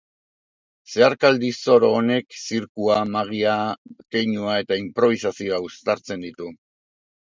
Zeharkaldi zoro honek zirkua, magia, keinua eta inprobisazioa uztartzen ditu.